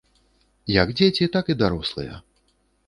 Як дзеці, так і дарослыя.